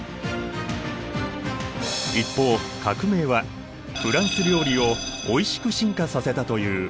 一方革命はフランス料理をおいしく進化させたという。